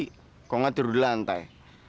kalau enggak tidur di lantai